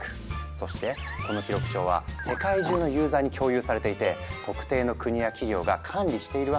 そしてこの記録帳は世界中のユーザーに共有されていて特定の国や企業が管理しているわけではない。